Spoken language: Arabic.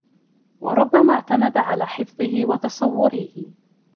وَرُبَّمَا اعْتَمَدَ عَلَى حِفْظِهِ وَتَصَوُّرِهِ